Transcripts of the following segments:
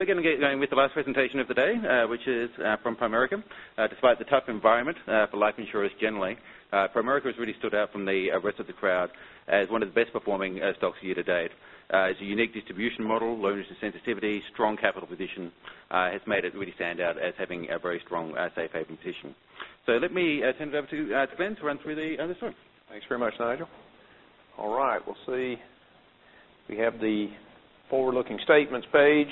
We're going to get going with the last presentation of the day, which is from Primerica. Despite the tough environment for life insurers generally, Primerica has really stood out from the rest of the crowd as one of the best-performing stocks year-to-date. Its unique distribution model, low interest sensitivity, strong capital position has made it really stand out as having a very strong safe haven position. Let me hand it over to Glenn to run through the rest of it. Thanks very much, Nigel. All right. We have the forward-looking statements page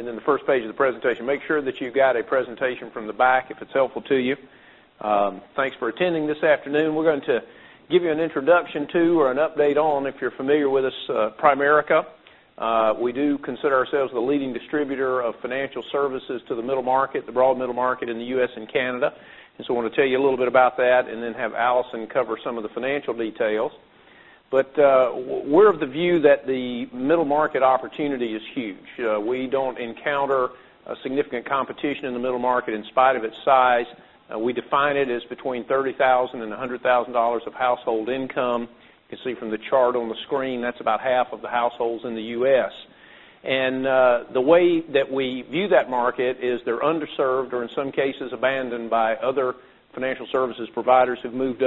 and then the first page of the presentation. Make sure that you've got a presentation from the back if it's helpful to you. Thanks for attending this afternoon. We're going to give you an introduction to or an update on, if you're familiar with us, Primerica. We do consider ourselves the leading distributor of financial services to the broad middle market in the U.S. and Canada. I want to tell you a little bit about that and then have Alison cover some of the financial details. We're of the view that the middle market opportunity is huge. We don't encounter significant competition in the middle market in spite of its size. We define it as between $30,000 and $100,000 of household income. You can see from the chart on the screen, that's about half of the households in the U.S. The way that we view that market is they're underserved or in some cases abandoned by other financial services providers who've moved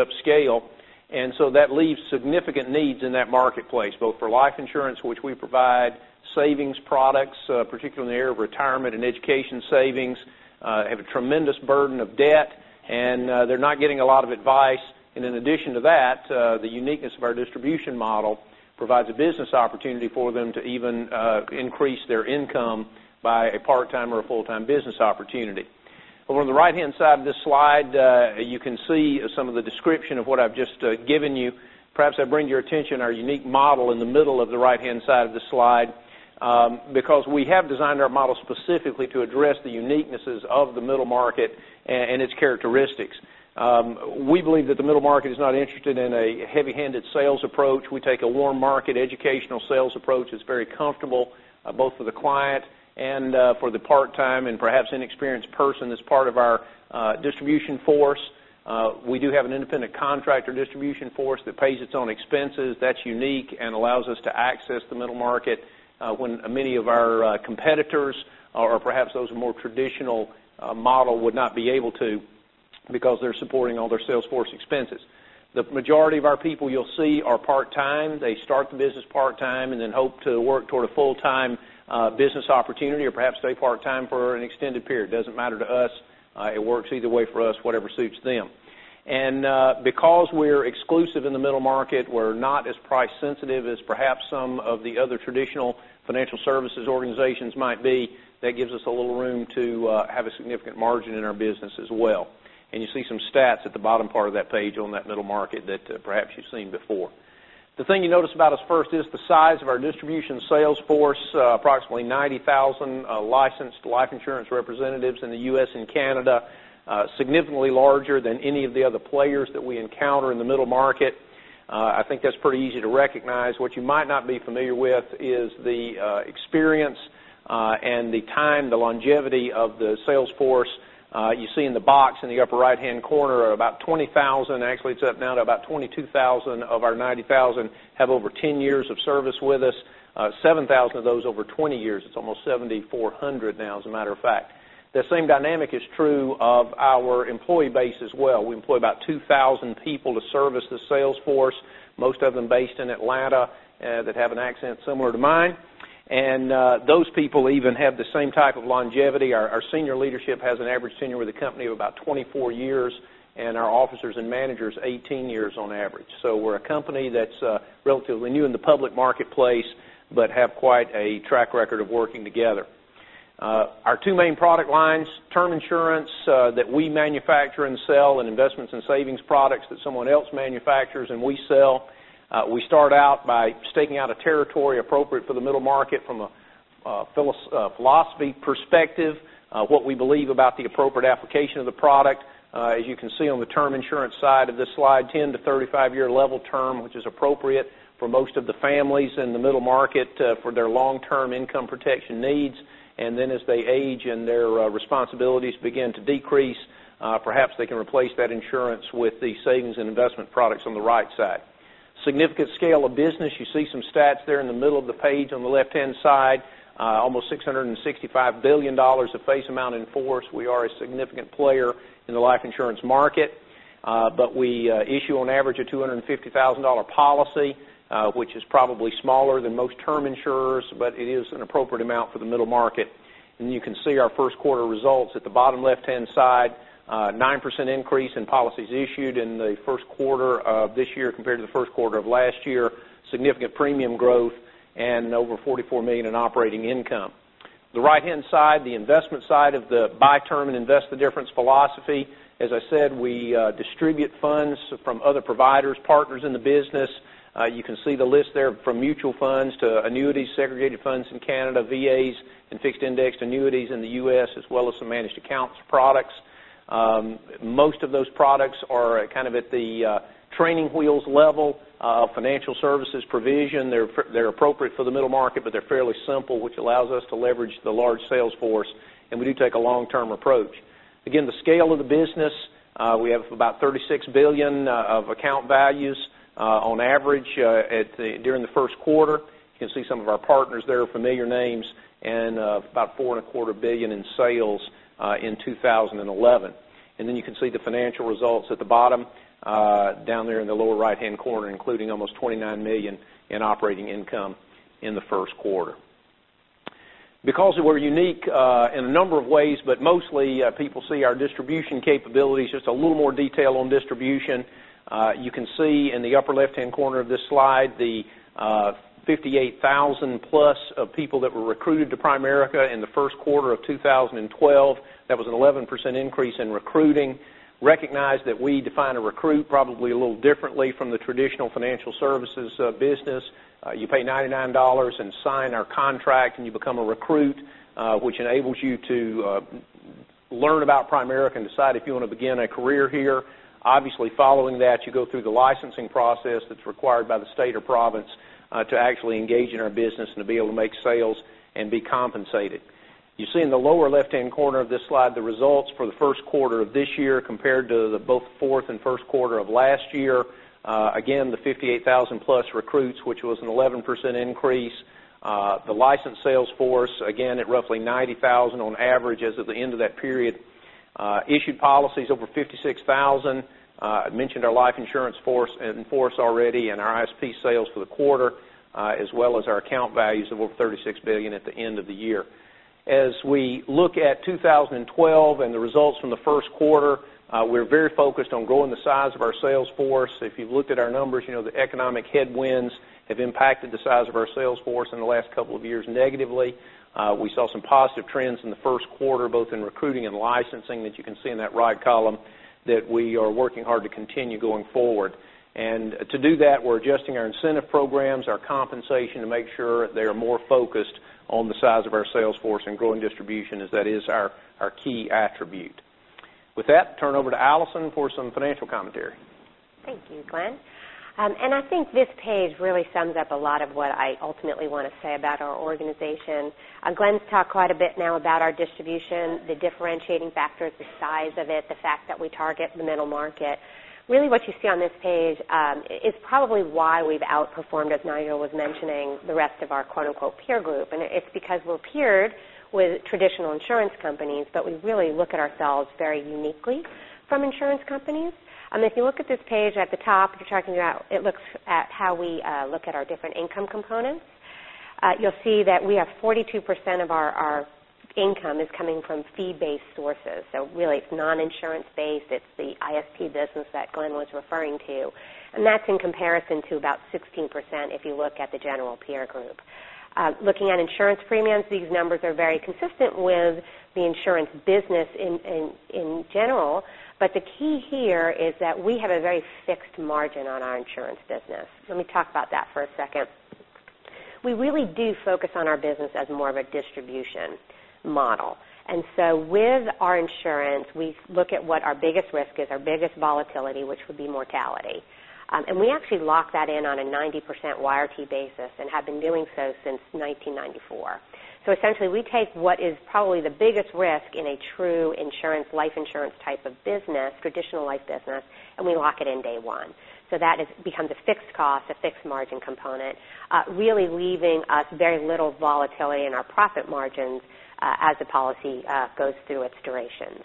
upscale. That leaves significant needs in that marketplace, both for life insurance, which we provide, savings products, particularly in the area of retirement and education savings, have a tremendous burden of debt, and they're not getting a lot of advice. In addition to that, the uniqueness of our distribution model provides a business opportunity for them to even increase their income by a part-time or a full-time business opportunity. Over on the right-hand side of this slide, you can see some of the description of what I've just given you. Perhaps I bring to your attention our unique model in the middle of the right-hand side of the slide because we have designed our model specifically to address the uniquenesses of the middle market and its characteristics. We believe that the middle market is not interested in a heavy-handed sales approach. We take a warm market, educational sales approach that's very comfortable both for the client and for the part-time and perhaps inexperienced person that's part of our distribution force. We do have an independent contractor distribution force that pays its own expenses. That's unique and allows us to access the middle market when many of our competitors or perhaps those with a more traditional model would not be able to because they're supporting all their sales force expenses. The majority of our people you'll see are part-time. They start the business part-time and then hope to work toward a full-time business opportunity or perhaps stay part-time for an extended period. It doesn't matter to us. It works either way for us, whatever suits them. Because we're exclusive in the middle market, we're not as price sensitive as perhaps some of the other traditional financial services organizations might be. That gives us a little room to have a significant margin in our business as well. You see some stats at the bottom part of that page on that middle market that perhaps you've seen before. The thing you notice about us first is the size of our distribution sales force, approximately 90,000 licensed life insurance representatives in the U.S. and Canada, significantly larger than any of the other players that we encounter in the middle market. I think that's pretty easy to recognize. What you might not be familiar with is the experience and the time, the longevity of the sales force. You see in the box in the upper right-hand corner, about 20,000, actually, it's up now to about 22,000 of our 90,000 have over 10 years of service with us. 7,000 of those over 20 years. It's almost 7,400 now, as a matter of fact. That same dynamic is true of our employee base as well. We employ about 2,000 people to service the sales force, most of them based in Atlanta that have an accent similar to mine. Those people even have the same type of longevity. Our senior leadership has an average tenure with the company of about 24 years, and our officers and managers, 18 years on average. We're a company that's relatively new in the public marketplace but have quite a track record of working together. Our two main product lines, term insurance that we manufacture and sell and investments in savings products that someone else manufactures and we sell. We start out by staking out a territory appropriate for the middle market from a philosophy perspective, what we believe about the appropriate application of the product. As you can see on the term insurance side of this slide, 10- to 35-year level term, which is appropriate for most of the families in the middle market for their long-term income protection needs. Then as they age and their responsibilities begin to decrease, perhaps they can replace that insurance with the savings and investment products on the right side. Significant scale of business. You see some stats there in the middle of the page on the left-hand side. Almost $665 billion of face amount in force. We are a significant player in the life insurance market. We issue on average a $250,000 policy, which is probably smaller than most term insurers, but it is an appropriate amount for the middle market. You can see our first quarter results at the bottom left-hand side, 9% increase in policies issued in the first quarter of this year compared to the first quarter of last year, significant premium growth and over $44 million in operating income. The right-hand side, the investment side of the buy term and invest the difference philosophy. As I said, we distribute funds from other providers, partners in the business. You can see the list there from Mutual Funds to Annuities, Segregated Funds in Canada, VAs and Fixed Indexed Annuities in the U.S., as well as some Managed Accounts products. Most of those products are at the training wheels level of financial services provision. They're appropriate for the middle market, but they're fairly simple, which allows us to leverage the large sales force. We do take a long-term approach. Again, the scale of the business. We have about $36 billion of account values on average during the first quarter. You can see some of our partners there, familiar names. About $4.25 billion in sales in 2011. You can see the financial results at the bottom, down there in the lower right-hand corner, including almost $29 million in operating income in the first quarter. Because we're unique in a number of ways, but mostly people see our distribution capabilities, just a little more detail on distribution. You can see in the upper left-hand corner of this slide, the 58,000-plus of people that were recruited to Primerica in the first quarter of 2012. That was an 11% increase in recruiting. Recognize that we define a recruit probably a little differently from the traditional financial services business. You pay $99 and sign our contract. You become a recruit, which enables you to learn about Primerica and decide if you want to begin a career here. Obviously, following that, you go through the licensing process that's required by the state or province to actually engage in our business and to be able to make sales and be compensated. You see in the lower left-hand corner of this slide, the results for the first quarter of this year compared to the both fourth and first quarter of last year. Again, the 58,000-plus recruits, which was an 11% increase. The licensed sales force, again, at roughly 90,000 on average as of the end of that period. Issued policies over 56,000. I mentioned our life insurance in force already and our ISP sales for the quarter, as well as our account values of over $36 billion at the end of the year. As we look at 2012 and the results from the first quarter, we're very focused on growing the size of our sales force. If you've looked at our numbers, you know the economic headwinds have impacted the size of our sales force in the last couple of years negatively. We saw some positive trends in the first quarter, both in recruiting and licensing that you can see in that right column, that we are working hard to continue going forward. To do that, we're adjusting our incentive programs, our compensation to make sure they are more focused on the size of our sales force and growing distribution as that is our key attribute. With that, turn over to Alison for some financial commentary. Thank you, Glenn. I think this page really sums up a lot of what I ultimately want to say about our organization. Glenn's talked quite a bit now about our distribution, the differentiating factors, the size of it, the fact that we target the middle market. Really what you see on this page is probably why we've outperformed, as Nigel was mentioning, the rest of our "peer group." It's because we're peered with traditional insurance companies, but we really look at ourselves very uniquely from insurance companies. If you look at this page at the top, it looks at how we look at our different income components. You'll see that we have 42% of our income is coming from fee-based sources. Really, it's non-insurance based. It's the ISP business that Glenn was referring to. That's in comparison to about 16% if you look at the general peer group. Looking at insurance premiums, these numbers are very consistent with the insurance business in general. The key here is that we have a very fixed margin on our insurance business. Let me talk about that for a second. We really do focus on our business as more of a distribution model. With our insurance, we look at what our biggest risk is, our biggest volatility, which would be mortality. We actually lock that in on a 90% YRT basis and have been doing so since 1994. Essentially, we take what is probably the biggest risk in a true life insurance type of business, traditional life business, and we lock it in day one. That has become the fixed cost, a fixed margin component, really leaving us very little volatility in our profit margins as the policy goes through its durations.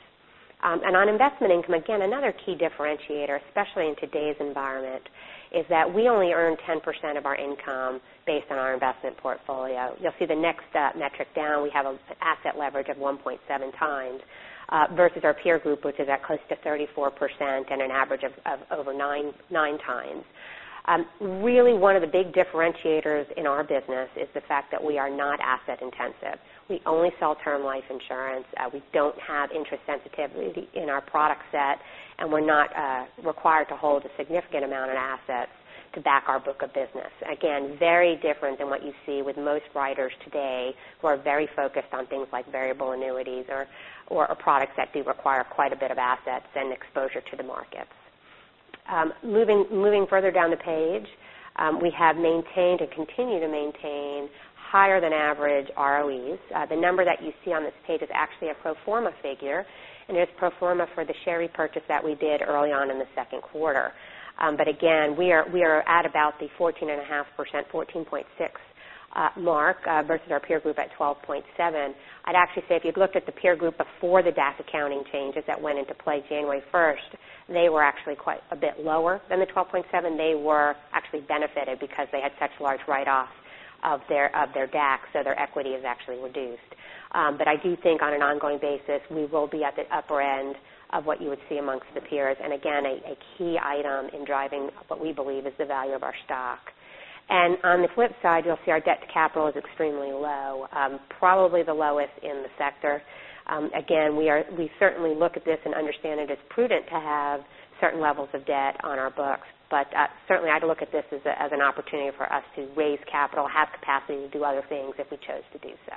On investment income, again, another key differentiator, especially in today's environment, is that we only earn 10% of our income based on our investment portfolio. You'll see the next metric down, we have asset leverage of 1.7 times versus our peer group, which is at close to 34% and an average of over nine times. Really, one of the big differentiators in our business is the fact that we are not asset intensive. We only sell Term Life insurance. We don't have interest sensitivity in our product set, and we're not required to hold a significant amount of assets to back our book of business. Again, very different than what you see with most writers today who are very focused on things like Variable Annuities or products that do require quite a bit of assets and exposure to the markets. Moving further down the page, we have maintained and continue to maintain higher than average ROEs. The number that you see on this page is actually a pro forma figure, and it's pro forma for the share repurchase that we did early on in the second quarter. Again, we are at about the 14.5%, 14.6 mark versus our peer group at 12.7. I'd actually say if you'd looked at the peer group before the DAC accounting changes that went into play January 1st, they were actually quite a bit lower than the 12.7. They were actually benefited because they had such large write-offs of their DAC, so their equity is actually reduced. I do think on an ongoing basis, we will be at the upper end of what you would see amongst the peers, and again, a key item in driving what we believe is the value of our stock. On the flip side, you'll see our debt to capital is extremely low, probably the lowest in the sector. We certainly look at this and understand it is prudent to have certain levels of debt on our books, but certainly I'd look at this as an opportunity for us to raise capital, have capacity to do other things if we chose to do so.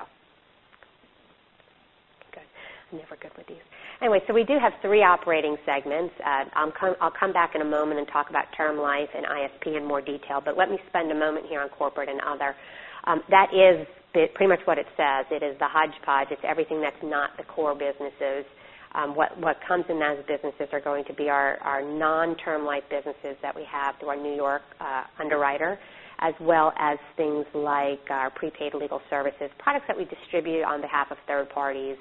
I'm never good with these. We do have three operating segments. I'll come back in a moment and talk about Term Life and ISP in more detail, but let me spend a moment here on Corporate and Other. That is pretty much what it says. It is the hodgepodge. It's everything that's not the core businesses. What comes in those businesses are going to be our non-Term Life businesses that we have through our New York underwriter, as well as things like our Pre-Paid Legal Services, products that we distribute on behalf of third parties.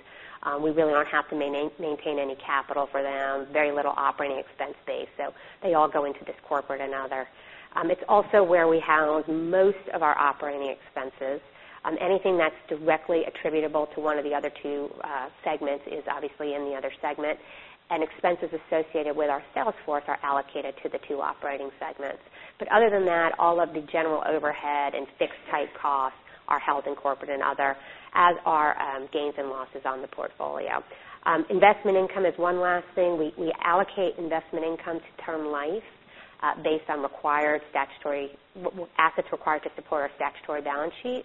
We really don't have to maintain any capital for them. Very little operating expense base. They all go into this Corporate and Other. It's also where we house most of our operating expenses. Anything that's directly attributable to one of the other two segments is obviously in the Other segment, and expenses associated with our sales force are allocated to the two operating segments. Other than that, all of the general overhead and fixed type costs are held in Corporate and Other, as are gains and losses on the portfolio. Investment income is one last thing. We allocate investment income to Term Life based on assets required to support our statutory balance sheet.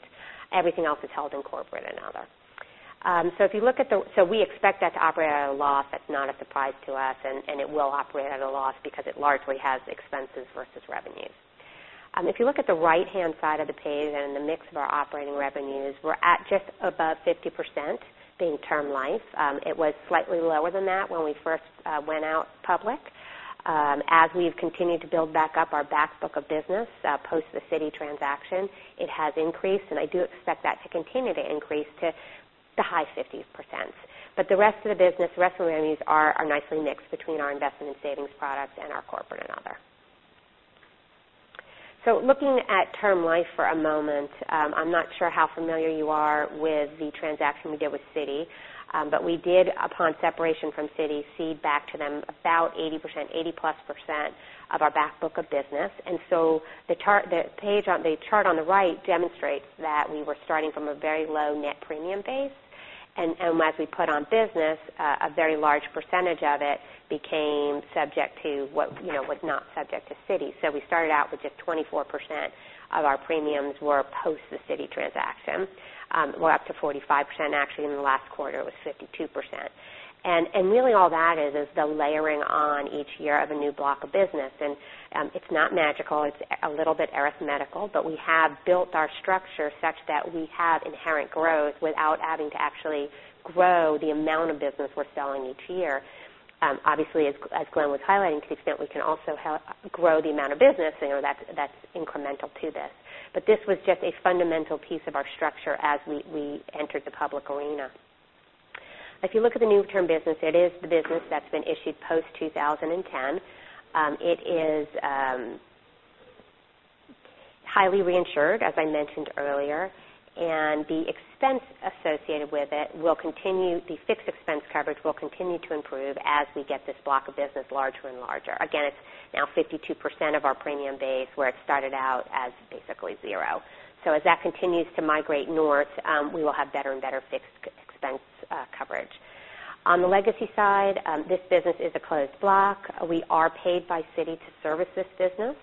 Everything else is held in Corporate and Other. We expect that to operate at a loss. That's not a surprise to us, and it will operate at a loss because it largely has expenses versus revenues. If you look at the right-hand side of the page and the mix of our operating revenues, we're at just above 50% being Term Life. It was slightly lower than that when we first went out public. As we've continued to build back up our back book of business post the Citi transaction, it has increased, and I do expect that to continue to increase to the high 50s%. The rest of the business, the rest of the revenues are nicely mixed between our investment and savings products and our Corporate and Other. Looking at Term Life for a moment, I'm not sure how familiar you are with the transaction we did with Citi. We did, upon separation from Citi, cede back to them about 80%, 80-plus% of our back book of business. The chart on the right demonstrates that we were starting from a very low net premium base, and as we put on business, a very large percentage of it became subject to what was not subject to Citi. We started out with just 24% of our premiums were post the Citi transaction. We're up to 45%. Actually, in the last quarter, it was 52%. really all that is the layering on each year of a new block of business. It's not magical. It's a little bit arithmetical, we have built our structure such that we have inherent growth without having to actually grow the amount of business we're selling each year. Obviously, as Glenn was highlighting, to the extent we can also grow the amount of business, that's incremental to this. This was just a fundamental piece of our structure as we entered the public arena. If you look at the new term business, it is the business that's been issued post 2010. It is highly reinsured, as I mentioned earlier. The expense associated with it will continue. The fixed expense coverage will continue to improve as we get this block of business larger and larger. Again, it's now 52% of our premium base, where it started out as basically zero. As that continues to migrate north, we will have better and better fixed expense coverage. On the legacy side, this business is a closed block. We are paid by Citi to service this business.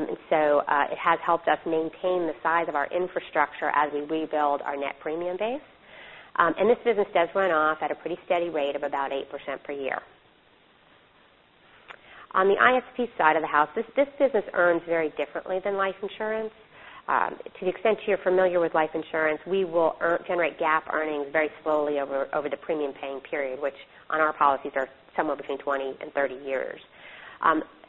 It has helped us maintain the size of our infrastructure as we rebuild our net premium base. This business does run off at a pretty steady rate of about 8% per year. On the ISP side of the house, this business earns very differently than life insurance. To the extent you're familiar with life insurance, we will generate GAAP earnings very slowly over the premium paying period, which on our policies are somewhere between 20 and 30 years.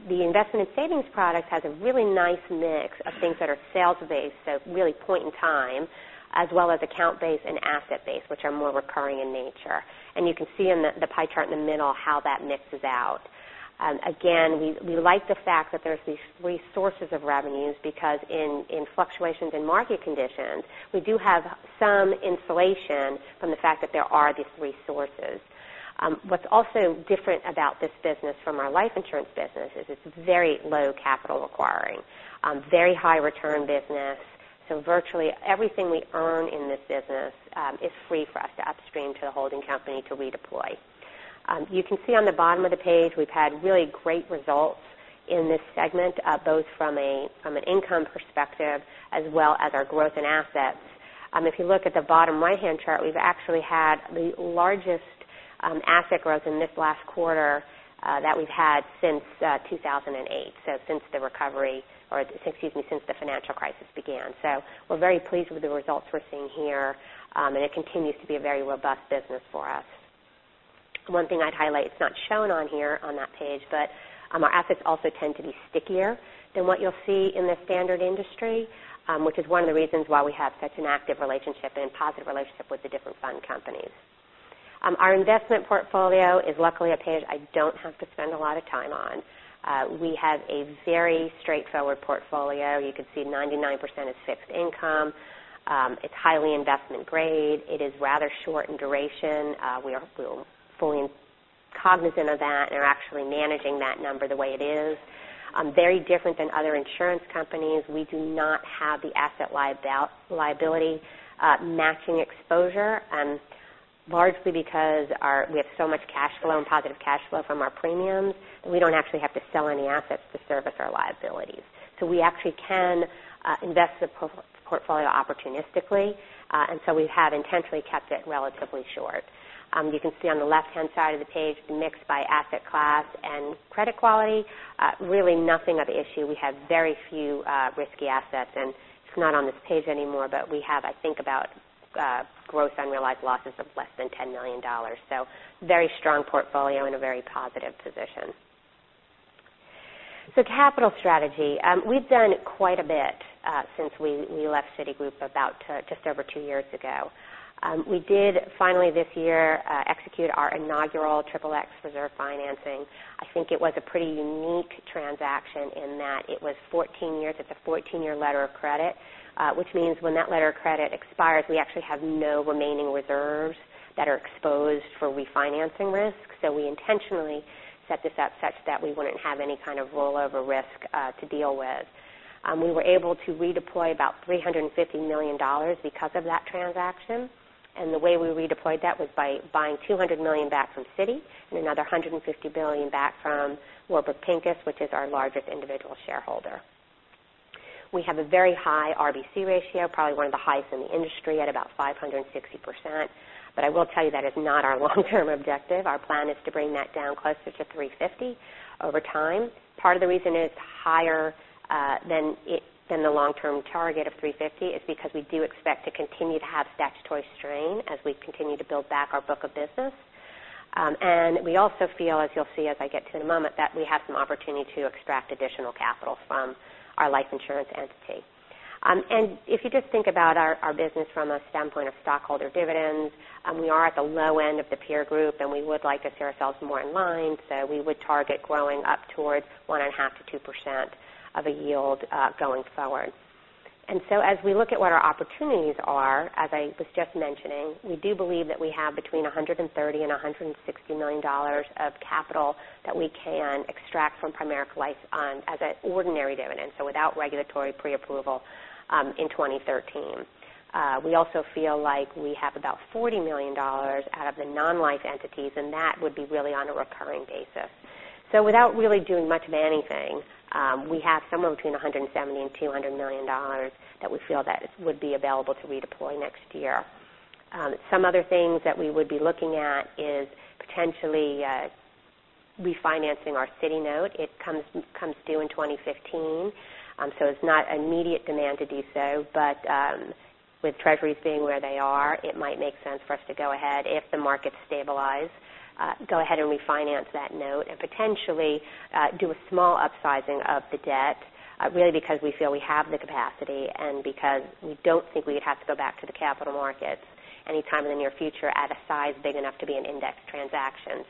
The investment and savings product has a really nice mix of things that are sales-based, really point in time, as well as account-based and asset-based, which are more recurring in nature. You can see in the pie chart in the middle how that mixes out. Again, we like the fact that there's these three sources of revenues because in fluctuations in market conditions, we do have some insulation from the fact that there are these three sources. What's also different about this business from our life insurance business is it's very low capital requiring, very high return business. Virtually everything we earn in this business is free for us to upstream to the holding company to redeploy. You can see on the bottom of the page, we've had really great results in this segment, both from an income perspective as well as our growth in assets. If you look at the bottom right-hand chart, we've actually had the largest asset growth in this last quarter that we've had since 2008. Since the financial crisis began. We're very pleased with the results we're seeing here, and it continues to be a very robust business for us. One thing I'd highlight, it's not shown on here on that page, but our assets also tend to be stickier than what you'll see in the standard industry, which is one of the reasons why we have such an active relationship and positive relationship with the different fund companies. Our investment portfolio is luckily a page I don't have to spend a lot of time on. We have a very straightforward portfolio. You can see 99% is fixed income. It's highly investment grade. It is rather short in duration. We are fully cognizant of that and are actually managing that number the way it is. Very different than other insurance companies. We do not have the asset liability matching exposure. Largely because we have so much cash flow and positive cash flow from our premiums, we don't actually have to sell any assets to service our liabilities. We actually can invest the portfolio opportunistically, and so we have intentionally kept it relatively short. You can see on the left-hand side of the page, the mix by asset class and credit quality, really nothing of issue. We have very few risky assets. It's not on this page anymore, but we have, I think about, gross unrealized losses of less than $10 million. Very strong portfolio in a very positive position. Capital strategy. We've done quite a bit since we left Citigroup about just over two years ago. We did finally this year, execute our inaugural Triple-X reserve financing. I think it was a pretty unique transaction in that it was 14 years. It's a 14-year letter of credit. Which means when that letter of credit expires, we actually have no remaining reserves that are exposed for refinancing risks. We intentionally set this up such that we wouldn't have any kind of rollover risk to deal with. We were able to redeploy about $350 million because of that transaction. The way we redeployed that was by buying $200 million back from Citi and another $150 million back from Warburg Pincus, which is our largest individual shareholder. We have a very high RBC ratio, probably one of the highest in the industry at about 560%. I will tell you that is not our long-term objective. Our plan is to bring that down closer to 350% over time. Part of the reason it's higher than the long-term target of 350% is because we do expect to continue to have statutory strain as we continue to build back our book of business. We also feel, as you'll see as I get to in a moment, that we have some opportunity to extract additional capital from our life insurance entity. If you just think about our business from a standpoint of stockholder dividends, we are at the low end of the peer group, and we would like to see ourselves more in line. We would target growing up towards 1.5%-2% of a yield, going forward. As we look at what our opportunities are, as I was just mentioning, we do believe that we have between $130 million and $160 million of capital that we can extract from Primerica Life as an ordinary dividend, so without regulatory pre-approval, in 2013. We also feel like we have about $40 million out of the non-life entities, and that would be really on a recurring basis. Without really doing much of anything, we have somewhere between $170 million and $200 million that we feel that would be available to redeploy next year. Some other things that we would be looking at is potentially refinancing our Citi note. It comes due in 2015. It's not immediate demand to do so, but with treasuries being where they are, it might make sense for us to go ahead if the markets stabilize, go ahead and refinance that note and potentially do a small upsizing of the debt, really because we feel we have the capacity and because we don't think we'd have to go back to the capital markets anytime in the near future at a size big enough to be an index transaction.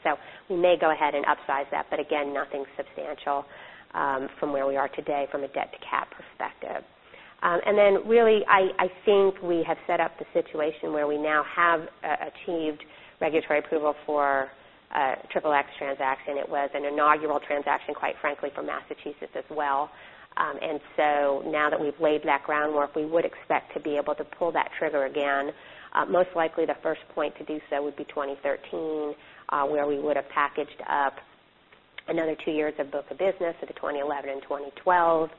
We may go ahead and upsize that, but again, nothing substantial, from where we are today from a debt to cap perspective. Really, I think we have set up the situation where we now have achieved regulatory approval for Triple-X transaction. It was an inaugural transaction, quite frankly, for Massachusetts as well. Now that we've laid that groundwork, we would expect to be able to pull that trigger again. Most likely, the first point to do so would be 2013, where we would have packaged up another two years of book of business, so the 2011 and 2012.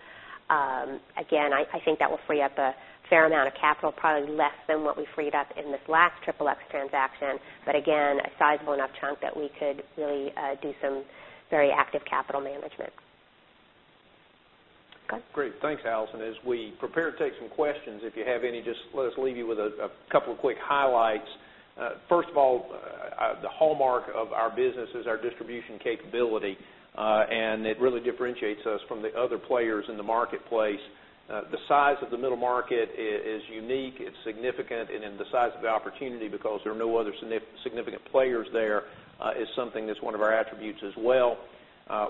Again, I think that will free up a fair amount of capital, probably less than what we freed up in this last Triple-X transaction. Again, a sizable enough chunk that we could really do some very active capital management. Go ahead. Great. Thanks, Alison. As we prepare to take some questions, if you have any, just let us leave you with a couple of quick highlights. First of all, the hallmark of our business is our distribution capability. It really differentiates us from the other players in the marketplace. The size of the middle market is unique. It's significant. The size of the opportunity because there are no other significant players there is something that's one of our attributes as well.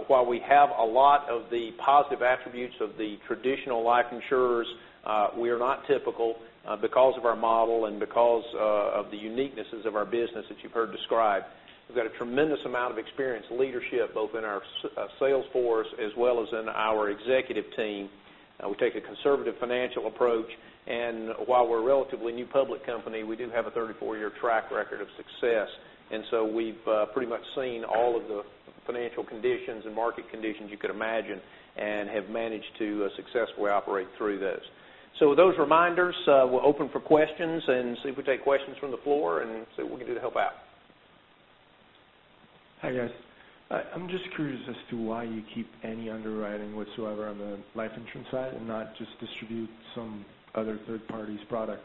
While we have a lot of the positive attributes of the traditional life insurers, we are not typical because of our model and because of the uniquenesses of our business that you've heard described. We've got a tremendous amount of experienced leadership, both in our sales force as well as in our executive team. We take a conservative financial approach, while we're a relatively new public company, we do have a 34-year track record of success. We've pretty much seen all of the financial conditions and market conditions you could imagine and have managed to successfully operate through those. With those reminders, we're open for questions and see if we take questions from the floor and see what we can do to help out. Hi, guys. I'm just curious as to why you keep any underwriting whatsoever on the life insurance side and not just distribute some other third party's product.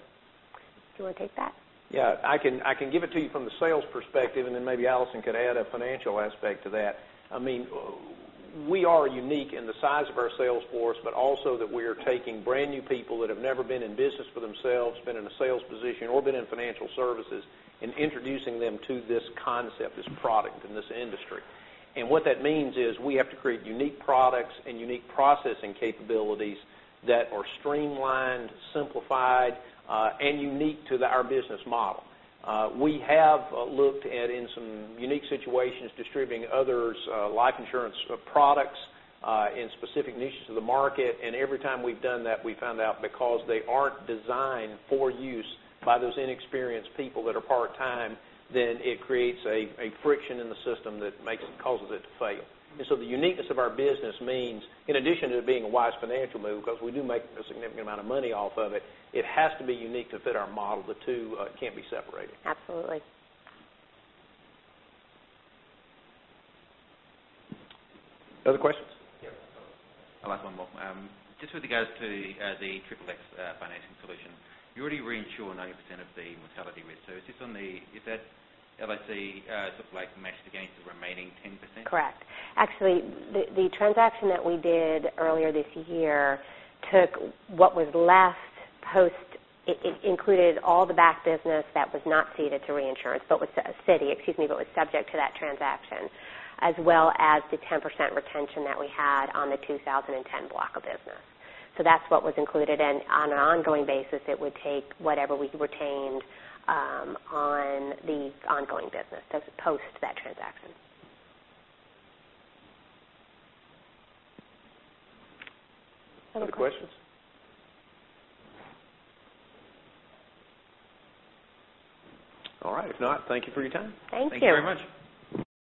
Do you want to take that? Yeah. I can give it to you from the sales perspective, then maybe Alison could add a financial aspect to that. We are unique in the size of our sales force, also that we are taking brand new people that have never been in business for themselves, been in a sales position, or been in financial services and introducing them to this concept, this product, and this industry. What that means is we have to create unique products and unique processing capabilities that are streamlined, simplified, and unique to our business model. We have looked at, in some unique situations, distributing others' life insurance products in specific niches of the market. Every time we've done that, we found out because they aren't designed for use by those inexperienced people that are part-time, then it creates a friction in the system that causes it to fail. The uniqueness of our business means, in addition to it being a wise financial move because we do make a significant amount of money off of it has to be unique to fit our model. The two can't be separated. Absolutely. Other questions? Yeah. I'll ask one more. Just with regards to the Triple-X financing solution, you already reinsure 90% of the mortality risk. Is that LIC sort of matched against the remaining 10%? Correct. Actually, the transaction that we did earlier this year took what was left post. It included all the back business that was not ceded to reinsurance, excuse me, but was subject to that transaction, as well as the 10% retention that we had on the 2010 block of business. That's what was included. On an ongoing basis, it would take whatever we retained on the ongoing business, so post that transaction. Other questions? All right. If not, thank you for your time. Thank you. Thank you very much.